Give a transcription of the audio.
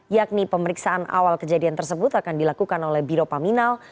yakni pemeriksaan awal kejadian tersebut akan dilakukan oleh biro paminal